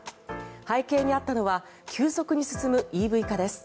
背景にあったのは急速に進むＥＶ化です。